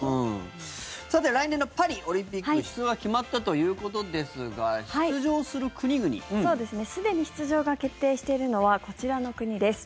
さて、来年のパリオリンピック出場が決まったということですがすでに出場が決定しているのはこちらの国です。